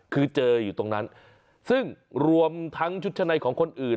คือเจออยู่ตรงนั้นซึ่งรวมทั้งชุดชะในของคนอื่น